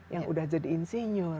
yang sudah jadi insinyur